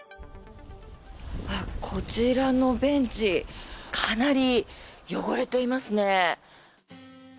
こちらのベンチかなり汚れていますね。